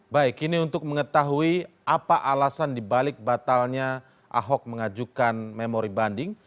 baik ini untuk mengetahui apa alasan dibalik batalnya ahok mengajukan memori banding